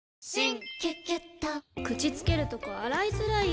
口つけるとこ洗いづらい！